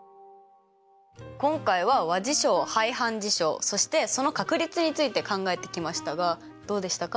今回は和事象排反事象そしてその確率について考えてきましたがどうでしたか？